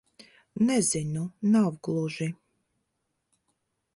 Nezinu. Nav gluži...